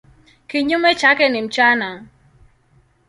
Kinyume chake ni mchana.